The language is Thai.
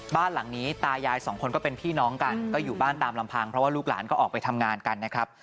บ้านหลังนี้ตายายสองคนก็เป็นพี่น้องกันก็อยู่บ้านตามลำพังเพราะว่าลูกหลานก็ออกไปทำงานกันนะครับ